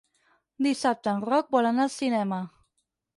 Dissabte en Roc vol anar al cinema.